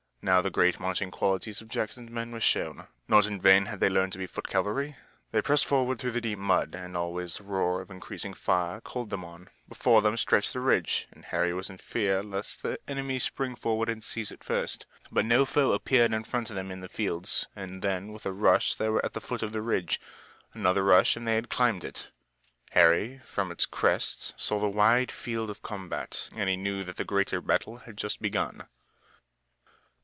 Now the great marching qualities of Jackson's men were shown. Not in vain had they learned to be foot cavalry. They pressed forward through the deep mud and always the roar of the increasing fire called them on. Before them stretched the ridge and Harry was in fear lest the enemy spring forward and seize it first. But no foe appeared in front of them in the fields, and then with a rush they were at the foot of the ridge. Another rush and they had climbed it. Harry from its crest saw the wide field of combat and he knew that the greater battle had just begun.